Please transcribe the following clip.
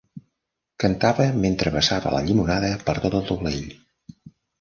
Cantava mentre vessava la llimonada per tot el taulell.